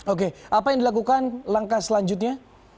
oke apa yang dilakukan langkah selanjutnya